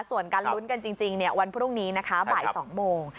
ส่วนการลุ้นกันจริงวันพรุ่งนี้นะคะบ่าย๒โมง